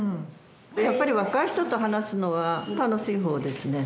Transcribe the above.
やっぱり若い人と話すのは楽しいほうですね。